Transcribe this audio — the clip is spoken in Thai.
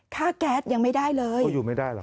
ค่าแก๊สยังไม่ได้เลย